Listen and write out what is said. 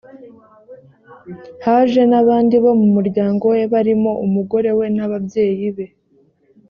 haje n’abandi bo mu muryango we barimo umugore we n’ababyeyi be